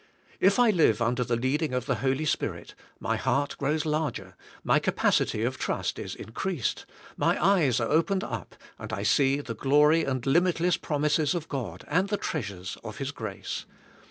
If I live under the leading" of the Haly^Spirit my heart grows larger, my capac ity of trust is increased, my eyes are opened up and I see the glory and limitless promises of God and the treasures of His grace.